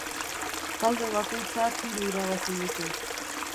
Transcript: Talde bakoitzak hiru irabazi ditu.